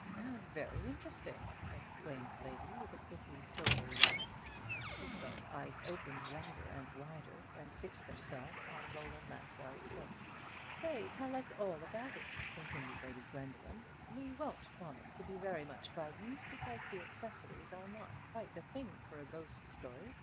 "How very interesting!" exclaimed the lady, with a pretty silvery laugh. Isabel's eyes opened wider and wider, and fixed themselves on Roland Lansdell's face. "Pray tell us all about it," continued Lady Gwendoline. "We won't promise to be very much frightened, because the accessories are not quite the thing for a ghost story.